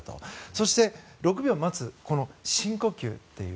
そして、６秒待つ深呼吸という。